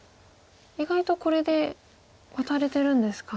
意外とこれでワタれてるんですか。